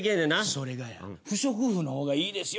それがや不織布のほうがいいですよ